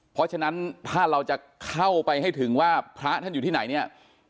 เพราะฉะนั้นถ้าเราจะเข้าไปให้ถึงว่าพระท่านอยู่ที่ไหนเนี่ย